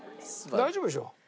大丈夫でしょ。